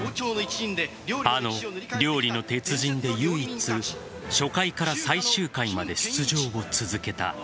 あの「料理の鉄人」で唯一初回から最終回まで出場を続けた。